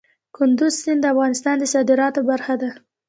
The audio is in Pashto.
کندز سیند د افغانستان د صادراتو برخه ده.